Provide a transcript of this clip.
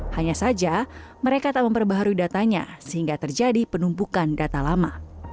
hanya saja mereka tak memperbaharui datanya sehingga terjadi penumpukan data lama